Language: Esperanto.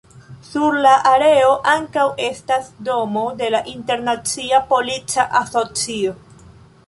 Sur la areo ankaŭ estas domo de la Internacia Polica Asocio.